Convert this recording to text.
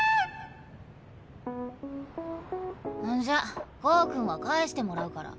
んじゃコウ君は返してもらうから。